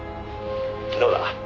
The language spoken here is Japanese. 「どうだ？